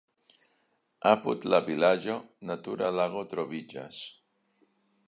Apud la vilaĝo natura lago troviĝas.